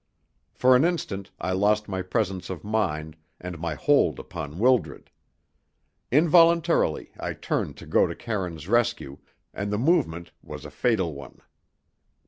For an instant I lost my presence of mind and my hold upon Wildred. Involuntarily I turned to go to Karine's rescue, and the movement was a fatal one.